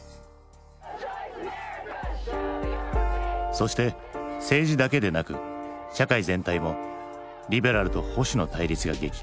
そして政治だけでなく社会全体もリベラルと保守の対立が激化。